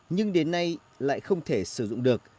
nhưng đến nay lại không thể sử dụng được